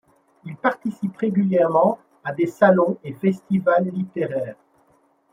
Il participe régulièrement à des salons et festivals littéraires.